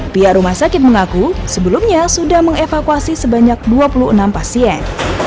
pihak rumah sakit mengaku sebelumnya sudah mengevakuasi sebanyak dua puluh enam pasien